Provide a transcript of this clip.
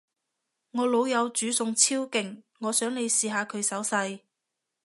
我老友煮餸超勁，我想你試下佢手勢